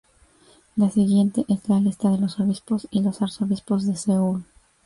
La siguiente es la lista de los obispos y los arzobispos de Seúl.